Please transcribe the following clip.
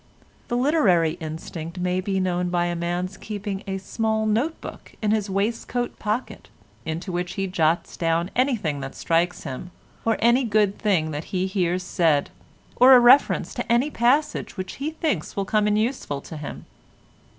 The literary instinct may be known by a man's keeping a small note book in his waistcoat pocket, into which he jots down anything that strikes him, or any good thing that he hears said, or a reference to any passage which he thinks will come in useful to him.